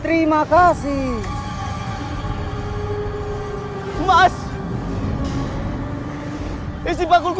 terpujilah yang maha agung